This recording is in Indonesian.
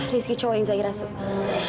rizky cowok yang zahira suka